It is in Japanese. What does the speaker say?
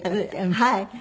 はい。